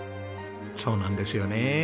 そうなんですよねえ。